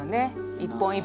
一本一本が。